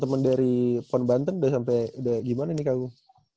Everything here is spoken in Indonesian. temen temen dari pon banten udah sampe udah gimana nih kagung